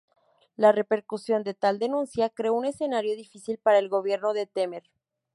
La repercusión de tal denuncia creó un escenario difícil para el gobierno de Temer.